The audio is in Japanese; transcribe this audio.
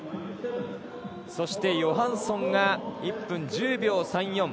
そして、ヨハンソンが１分１０秒３４。